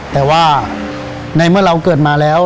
แต่ว่าในเมื่อเราเกิดมาแล้ว